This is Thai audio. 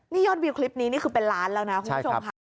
นี่ยอดวิวคลิปนี้นี่คือเป็นล้านแล้วนะคุณผู้ชมค่ะ